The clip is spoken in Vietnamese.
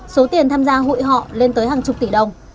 số tiền tham gia hụi họ lên tới hàng chục tỷ đồng